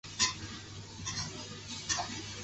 佩勒雷人口变化图示